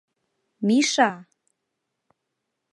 Миша!!!